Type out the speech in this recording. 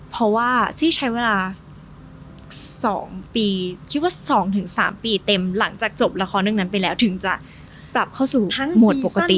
เพราะว่าซี่ใช้เวลา๒๓ปีเต็มหลังจากจบละครนึงนั้นไปแล้วถึงจะปรับเข้าสู่โหมดปกติ